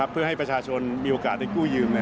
เพื่อให้ประชาชนมีโอกาสได้กู้ยืม